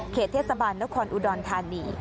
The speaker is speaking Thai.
เขตเทศมรรณคลอุดรธารี